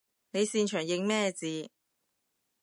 你擅長認咩字？